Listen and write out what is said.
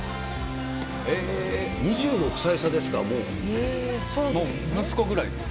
ええっ、２６歳差ですか、もう息子ぐらいです。